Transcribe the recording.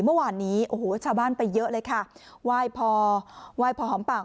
เมื่อวานนี้โอ้โหชาวบ้านไปเยอะเลยค่ะไหว้พอไหว้พอหอมปาก